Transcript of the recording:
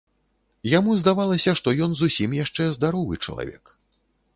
Яму здавалася, што ён зусім яшчэ здаровы чалавек.